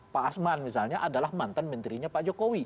pak asman misalnya adalah mantan menterinya pak jokowi